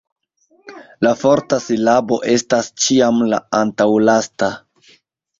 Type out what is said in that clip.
La forta silabo estas ĉiam la antaŭlasta.